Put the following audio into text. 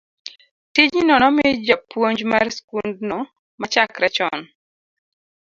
tijno nomi japuonj mar skundno machakre chon